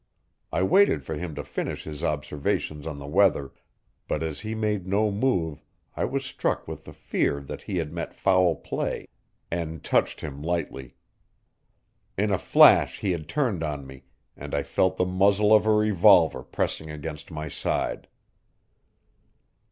I waited for him to finish his observations on the weather, but as he made no move I was struck with the fear that he had met foul play and touched him lightly. In a flash he had turned on me, and I felt the muzzle of a revolver pressing against my side.